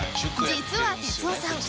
実は哲夫さん